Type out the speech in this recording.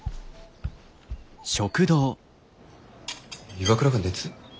岩倉が熱？